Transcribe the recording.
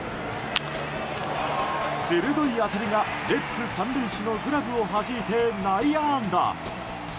鋭い当たりがレッズ３塁手のグラブをはじいて内野安打。